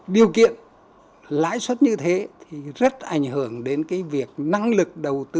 điều kiện lãi suất như thế thì rất ảnh hưởng đến việc năng lực đầu tư